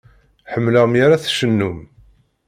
Ḥemmleɣ mi ara tcennum.